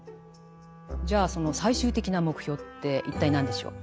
じゃあその最終的な目標って一体何でしょう？